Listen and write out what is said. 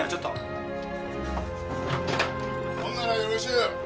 ほんならよろしゅう！